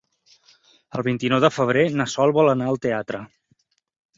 El vint-i-nou de febrer na Sol vol anar al teatre.